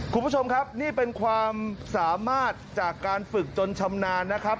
คุณผู้ชมครับนี่เป็นความสามารถจากการฝึกจนชำนาญนะครับ